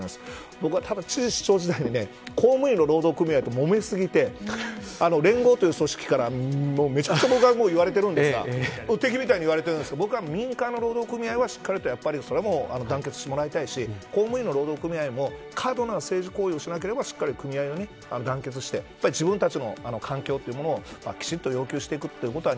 僕はただ注意してほしいのは公務員の労働組合と、もめ過ぎて連合という組織からめちゃくちゃ僕は言われているんですが敵みたいに言われているんですが僕は民間の労働組合はしっかりと団結してもらいたいし公務員の労働組合も過度な政治行為をしなければしっかりと組合が団結して自分たちの環境をきちんと要求していくことは